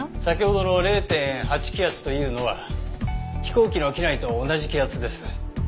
先ほどの０．８気圧というのは飛行機の機内と同じ気圧です。